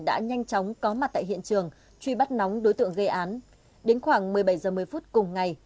đã nhanh chóng có mặt tại hiện trường truy bắt nóng đối tượng gây án đến khoảng một mươi bảy h một mươi phút cùng ngày